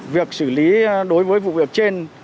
việc xử lý đối với vụ việc trên